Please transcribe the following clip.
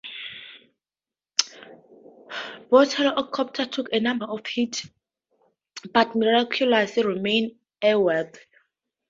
Both helicopters took a number of hits but miraculously remained airworthy.